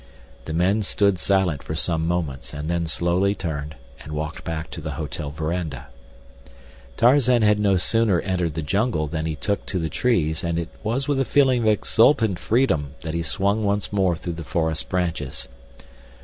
The men stood silent for some moments and then slowly turned and walked back to the hotel veranda. Tarzan had no sooner entered the jungle than he took to the trees, and it was with a feeling of exultant freedom that he swung once more through the forest branches.